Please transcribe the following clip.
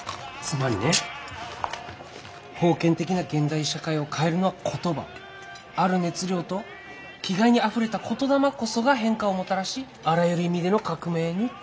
つまりね封建的な現代社会を変えるのは言葉ある熱量と気概にあふれた言霊こそが変化をもたらしあらゆる意味での革命につながる。